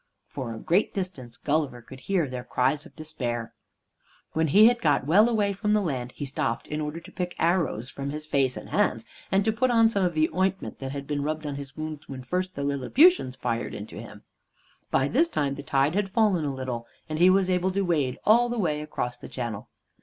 For a great distance Gulliver could hear their cries of despair. When he had got well away from the land, he stopped in order to pick the arrows from his face and hands, and to put on some of the ointment that had been rubbed on his wounds when first the Lilliputians fired into him. By this time the tide had fallen a little, and he was able to wade all the way across the channel.